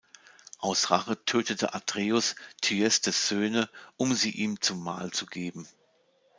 Aus Rache tötete Atreus Thyestes’ Söhne, um sie ihm zum Mahl zu geben.